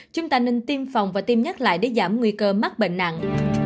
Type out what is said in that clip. chúng ta nên tiêm phòng và tiêm nhắc lại để giảm nguy cơ mắc bệnh nặng